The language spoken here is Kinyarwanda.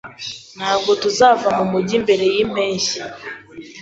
Ntabwo tuzava mu mujyi mbere yimpeshyi.